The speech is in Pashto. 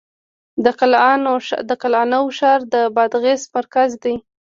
د قلعه نو ښار د بادغیس مرکز دی